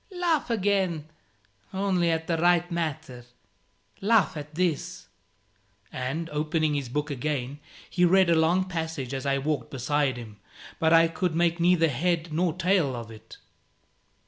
Laugh again only at the right matter: laugh at this " And, opening his book again, he read a long passage as I walked beside him; but I could make neither head nor tail of it.